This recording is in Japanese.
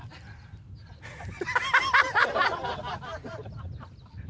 ハハハハ！